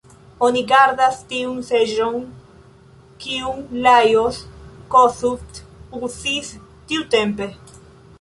Oni gardas tiun seĝon, kiun Lajos Kossuth uzis tiutempe.